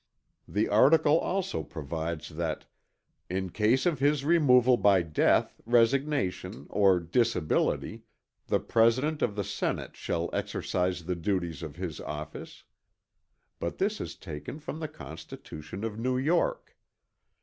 The article also provides that "in case of his removal by death, resignation or disability, the President of the Senate shall exercise the duties of his office"; but this is taken from the constitution of New York.